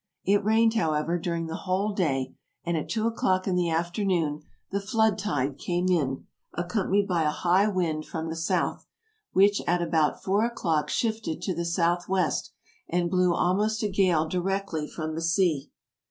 It rained, however, during the whole day, and at two o'clock in the afternoon the flood AMERICA 155 tide came in, accompanied by a high wind from the south, which at about four o'clock shifted to the south west, and blew almost a gale directly from the sea.